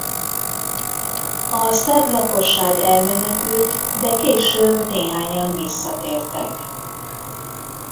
A szerb lakosság elmenekült de később néhányan visszatértek.